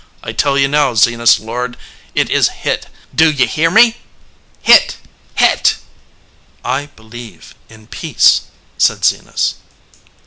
I tell you now, Ze nas Lord, it is hit ! Do ye hear me ? Hit ! Hit !" "I believe in peace/ said Zenas.